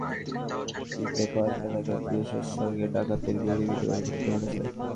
চট্টগ্রামের সীতাকুণ্ড পৌর সদরের ইকোপার্ক এলাকায় পুলিশের সঙ্গে ডাকাতের গুলি বিনিময়ের ঘটনা ঘটেছে।